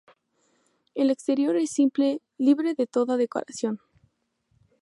El exterior es simple, libre de toda decoración.